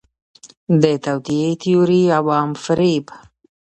د توطئې تیوري، عوام فریب